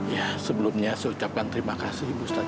ya sebelumnya saya ucapkan terima kasih ibu ustaz jahan